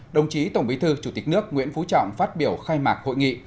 đồng chí tổng bí thư chủ tịch nước nguyễn phú trọng phát biểu khai mạc hội nghị